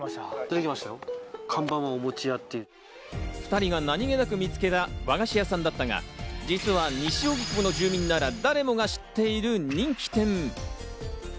２人が何気なく見つけた和菓子屋さんだったが、実は、西荻窪の住人なら誰もが知っている人気店。